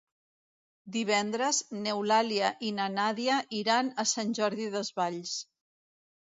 Divendres n'Eulàlia i na Nàdia iran a Sant Jordi Desvalls.